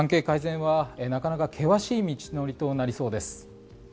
関係改善はなかなか険しい道のりとなりそうです。